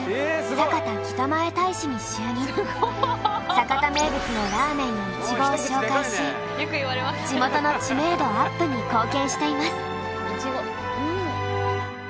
酒田名物のラーメンやいちごを紹介し地元の知名度アップに貢献しています。